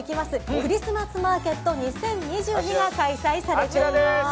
クリスマスマーケット２０２２が開催されています。